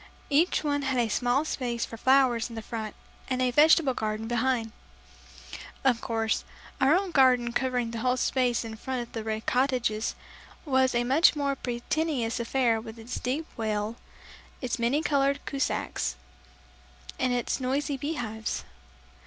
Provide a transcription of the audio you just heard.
Each one had a small space for flowers in front and a vegetable garden behind. Of course, our own garden covering the whole space in front of the Red Cottages, was a much more pretentious affair with its deep well, its many colored kiosks, and its noisy bee hives.